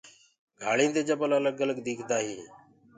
گھآݪدي دي جبل الگ الگ ديکدآ هينٚ۔